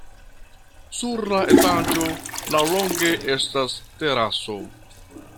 Sur la etaĝo laŭlonge estas teraso.